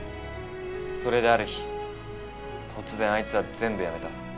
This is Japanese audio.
それである日突然あいつは全部やめた。